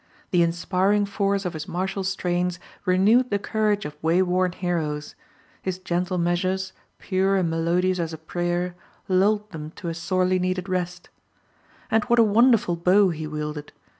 The inspiring force of his martial strains renewed the courage of way worn heroes. His gentle measures, pure and melodious as a prayer, lulled them to sorely needed rest. And what a wonderful bow he wielded!